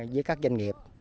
với các doanh nghiệp